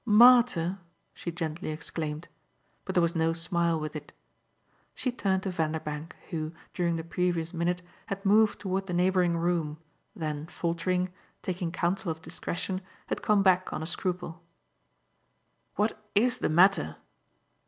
"Martyr!" she gently exclaimed. But there was no smile with it. She turned to Vanderbank, who, during the previous minute, had moved toward the neighbouring room, then faltering, taking counsel of discretion, had come back on a scruple. "What IS the matter?"